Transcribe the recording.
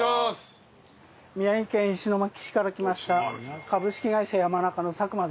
宮城県石巻市から来ました株式会社ヤマナカの佐久間です。